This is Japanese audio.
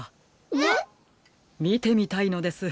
えっ？みてみたいのです。